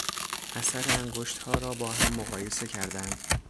اثر انگشتها را با هم مقایسه کردند.